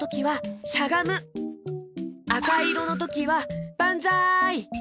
あかいろのときはばんざい！